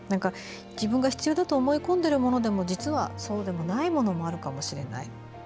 自分が必要だと思い込んでいるものでも実はそうでもないものもあるかもしれない。